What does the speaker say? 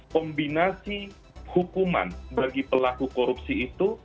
kombinasi hukuman bagi pelaku korupsi itu